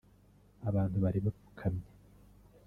abantu bari bapfukamye